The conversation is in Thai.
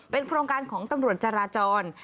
โครงการของตำรวจจราจร